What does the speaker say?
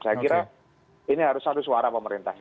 saya kira ini harus satu suara pemerintah